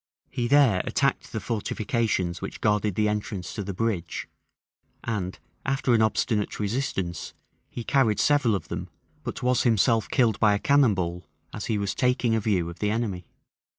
He there attacked the fortifications which guarded the entrance to the bridge; and, after an obstinate resistance, he carried several of them; but was himself killed by a cannon ball as he was taking a view of the enemy.